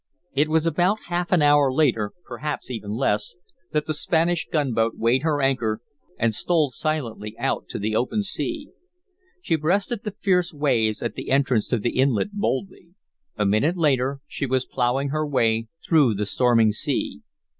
It was about half an hour later, perhaps even less, that that Spanish gunboat weighed her anchor and stole silently out to the open sea. She breasted the fierce waves at the entrance to the inlet boldly. A minute later she was plowing her way through the storming sea.